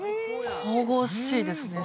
神々しいですね